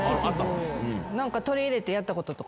何か取り入れてやったこととか。